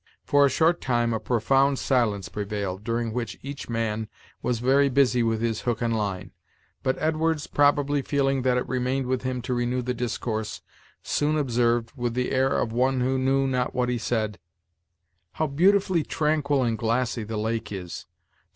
For a short time a profound silence prevailed, during which each man was very busy with his hook and line, but Edwards, probably feeling that it remained with him to renew the discourse, soon observed, with the air of one who knew not what he said: "How beautifully tranquil and glassy the lake is!